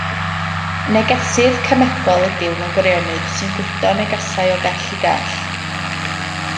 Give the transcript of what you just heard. Negesydd cemegol ydyw mewn gwirionedd, sy'n cludo negesau o gell i gell.